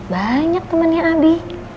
banyak temennya abi